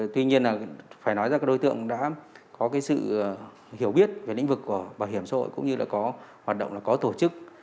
tuy nhiên là phải nói ra các đối tượng đã có cái sự hiểu biết về lĩnh vực của bảo hiểm xã hội cũng như là có hoạt động là có tổ chức